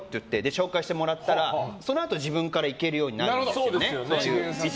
紹介してもらったらそのあと、自分から行けるようになるんですよね。